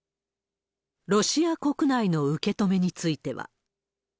ロシア国内の受け止めについては。